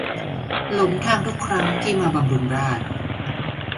หลงทางทุกครั้งที่มาบำรุงราษฎร์